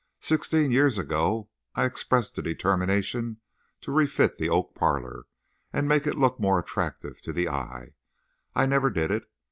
Sixteen years ago I expressed a determination to refit the oak parlor and make it look more attractive to the eye; I never did it.